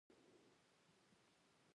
ایا ټوخی مو له دوه اونیو ډیر دی؟